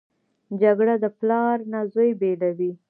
جګړه د پلار نه زوی بېلوي